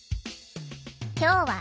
今日は笑